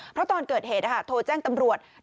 เพราะตอนเกิดเหตุโทรแจ้งตำรวจ